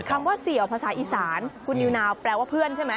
คำว่าเสี่ยวภาษาอีสานคุณนิวนาวแปลว่าเพื่อนใช่ไหม